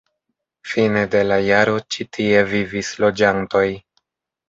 Fine de la jaro ĉi tie vivis loĝantoj.